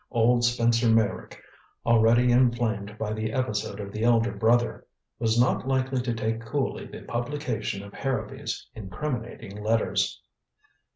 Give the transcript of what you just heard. Old Spencer Meyrick, already inflamed by the episode of the elder brother, was not likely to take coolly the publication of Harrowby's incriminating letters.